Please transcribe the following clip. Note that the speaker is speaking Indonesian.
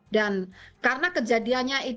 dan karena kejadiannya